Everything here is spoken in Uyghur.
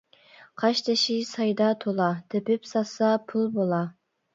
قاشتېشى سايدا تولا، تېپىپ ساتسا پۇل بولا.